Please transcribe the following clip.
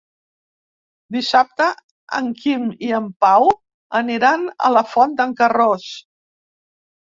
Dissabte en Quim i en Pau aniran a la Font d'en Carròs.